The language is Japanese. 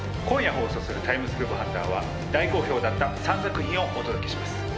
今夜放送する「タイムスクープハンター」は大好評だった３作品をお届けします。